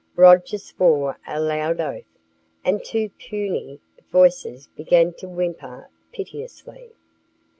Roger swore a loud oath, and two puny voices began to whimper piteously.